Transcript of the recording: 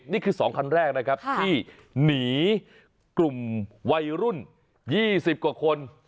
นี่คือ๒คันแรกนะครับที่หนีกลุ่มวัยรุ่น๒๐กว่าคน